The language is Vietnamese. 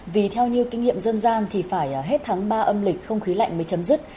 vì theo như kinh nghiệm dân gian thì phải hết tháng ba âm lịch không khí lạnh mới chấm dứt